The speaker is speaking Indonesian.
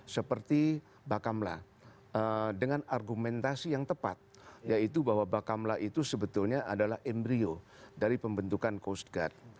seperti bakamla dengan argumentasi yang tepat yaitu bahwa bakamla itu sebetulnya adalah embryo dari pembentukan coast guard